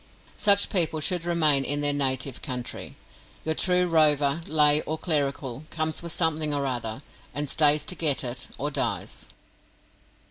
Such people should remain in their native country. Your true rover, lay or clerical, comes for something or other, and stays to get it, or dies.